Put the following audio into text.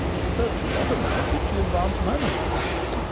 But to what amount did she advance money?"